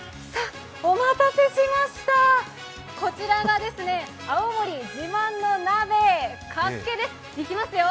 お待たせしました、こちらが青森自慢の鍋、かっけです。